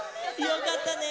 よかったね。